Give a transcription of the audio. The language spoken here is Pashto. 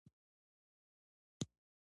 افغانستان له مس ډک دی.